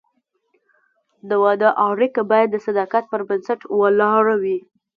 د واده اړیکه باید د صداقت پر بنسټ ولاړه وي.